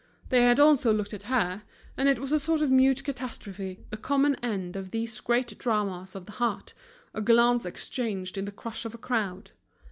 They had also looked at her, and it was a sort of mute catastrophe, the common end of these great dramas of the heart, a glance exchanged in the crush of a crowd.